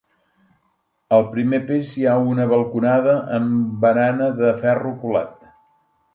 Al primer pis hi ha una balconada amb barana de ferro colat.